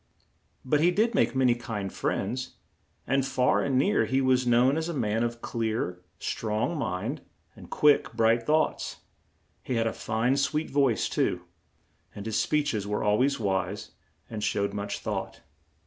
But he did make ma ny kind friends, and far and near he was known as a man of clear, strong mind and quick, bright thoughts; he had a fine, sweet voice, too, and his speech es were al ways wise and showed much thought.